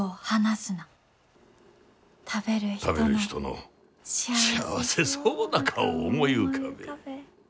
食べる人の幸せそうな顔を思い浮かべえ。